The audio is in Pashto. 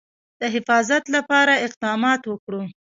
د حفاظت لپاره اقدامات وکړو.